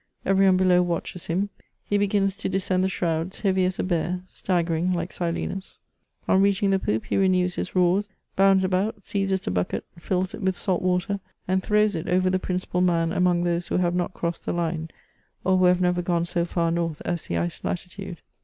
Every one below watches him ; he begins to descend the shrouds, heavy as a bear, staggering like Silenus. On reaching the poop, he renews his roars, bounds about, seizes a bucket, fills it with salt water, and throws it over the principal man among those who have not crossed the line, or who have never gone so far North as the ice latitude.